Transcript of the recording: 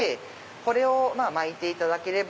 これを巻いていただければ。